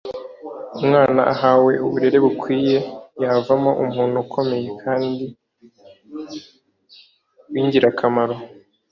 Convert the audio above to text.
umwana ahawe uburere bukwiye, yavamo umuntu ukomeye kandi w’ingirakamaro.